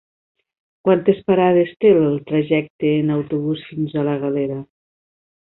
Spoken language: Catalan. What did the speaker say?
Quantes parades té el trajecte en autobús fins a la Galera?